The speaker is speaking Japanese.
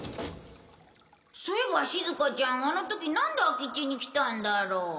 そういえばしずかちゃんあの時なんで空き地に来たんだろう？